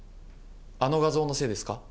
あの画像のせいですか？